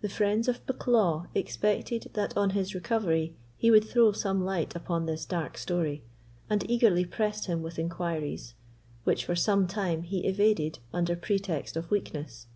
The friends of Bucklaw expected that on his recovery he would throw some light upon this dark story, and eagerly pressed him with inquiries, which for some time he evaded under pretext of weakness.